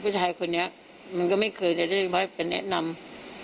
ผู้ชายคนนี้มันก็ไม่เคยจะได้ไปแนะนำ